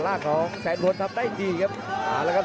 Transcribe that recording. พยายามจะตีจิ๊กเข้าที่ประเภทหน้าขาครับ